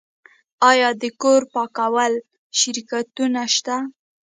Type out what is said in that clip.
آیا د کور پاکولو شرکتونه شته؟